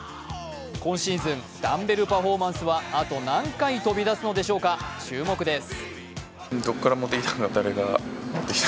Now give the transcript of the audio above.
今シーズン、ダンベルパフォーマンスはあと何回飛び出すのでしょうか、注目です。